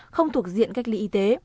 không thuộc diện cách ly y tế